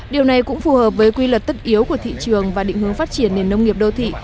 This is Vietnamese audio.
điều này cũng phù hợp với quy luật tất yếu của thị trường và định hướng phát triển nền nông nghiệp đô thị